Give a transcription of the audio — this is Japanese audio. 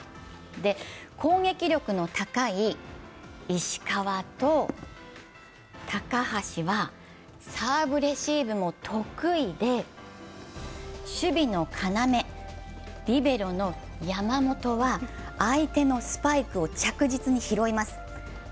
攻撃力の高い石川と高橋はサーブレシーブも得意で守備の要、リベロの山本は相手のスパイクを着実に拾います。